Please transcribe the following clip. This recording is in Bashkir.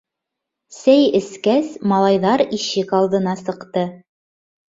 Сәй эскәс, малайҙар ишек алдына сыҡты.